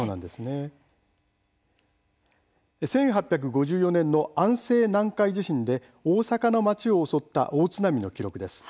１８５４年の安政南海地震で大阪の町を襲った大津波の記録です。